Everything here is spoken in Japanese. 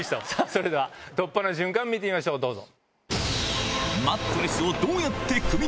それでは突破の瞬間見てみましょうどうぞ。